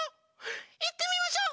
いってみましょう。